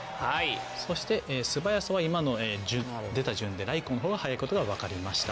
そしてすばやさは今の出た順でライコウのほうが速いことがわかりました。